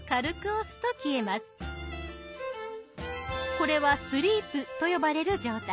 これは「スリープ」と呼ばれる状態。